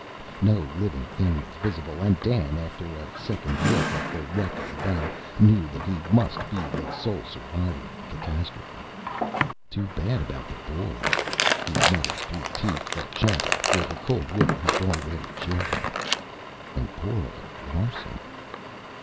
No living thing was visible; and Dan, after a second look at the wreck of the bow, knew that he must be the sole survivor of the catastrophe. "Too bad about the boys," he muttered through teeth that chattered, for the cold water had already chilled him. "And poor old Larsen."